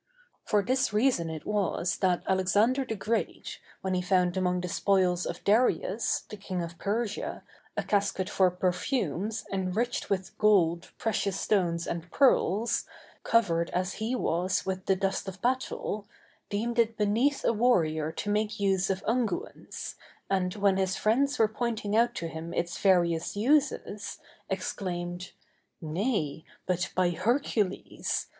For this reason it was that Alexander the Great, when he found among the spoils of Darius, the King of Persia, a casket for perfumes, enriched with gold, precious stones, and pearls, covered as he was with the dust of battle, deemed it beneath a warrior to make use of unguents, and, when his friends were pointing out to him its various uses, exclaimed, "Nay, but by Hercules!